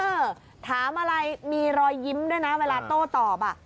เออถามอะไรมีรอยยิ้มด้วยนะเวลาโต้ตอบอ่ะ